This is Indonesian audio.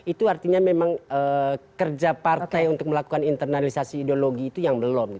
itu artinya memang kerja partai untuk melakukan internalisasi ideologi itu yang belum